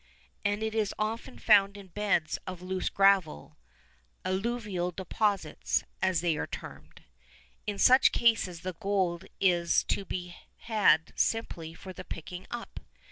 And it is often found in beds of loose gravel, alluvial deposits, as they are termed. In such cases the gold is to be had simply for the picking up.